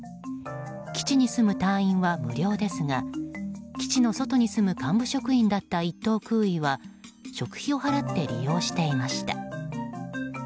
基地に住む隊員は無料ですが基地の外に住む幹部職員だった１等空尉は食費を払って利用していました。